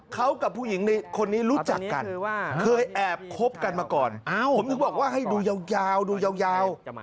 เขากับผู้หญิงในคนนี้รู้จักกันเคยแอบคบกันมาก่อนผมถึงบอกว่าให้ดูยาวดูยาว